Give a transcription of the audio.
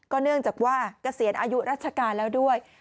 เนื่องจากว่าเกษียณอายุราชการแล้วด้วย